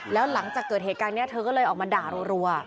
แล้วหลังจากเกิดเหตุการณ์นี้เธอก็เลยออกมาด่ารัว